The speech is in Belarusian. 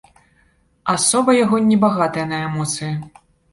Асоба яго не багатая на эмоцыі.